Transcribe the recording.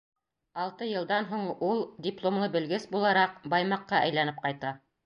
Алты йылдан һуң ул, дипломлы белгес булараҡ, Баймаҡҡа әйләнеп ҡайта.